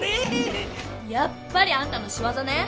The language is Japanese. やっぱりあんたのしわざね！